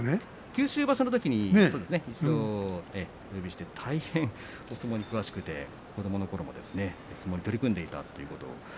九州場所にお呼びして大変、お相撲に詳しく子どものときに相撲に取り組んでいたという話です。